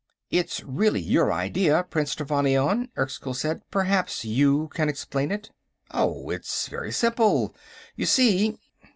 "Its really your idea, Prince Trevannion," Erskyll said. "Perhaps you can explain it." "Oh, it's very simple. You see...."